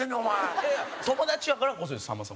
せいや：友達やからこそですさんまさん。